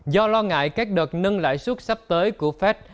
do lo ngại các đợt nâng lãi suất sắp tới của fed